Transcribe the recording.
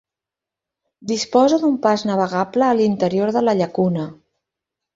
Disposa d'un pas navegable a l'interior de la llacuna.